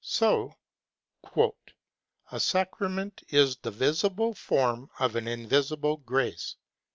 вҖ" So, *'A sacrament is the visible form of an invisible grace."